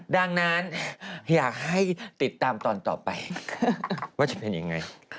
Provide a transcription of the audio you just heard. ดังนั้นอยากให้ติดตามตอนต่อไปว่าจะเป็นยังไง